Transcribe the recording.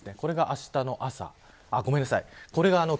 これがあしたの朝ごめんなさい。